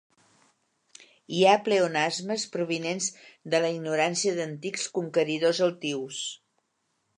Hi ha pleonasmes provinents de la ignorància d'antics conqueridors altius.